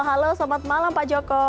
halo selamat malam pak joko